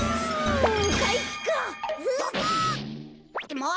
もう！